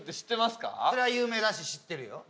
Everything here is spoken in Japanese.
それは有名だし知ってるよ。